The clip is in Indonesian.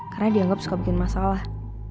karena dianggap suka bikin masalah